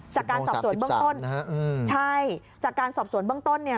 สิบโมงสักสิบสามนะคะใช่จากการสอบสวนเบื้องต้นเนี้ย